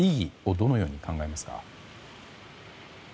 どのように考えますか？